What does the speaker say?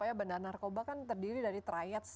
bandar bandar narkoba kan terdiri dari triads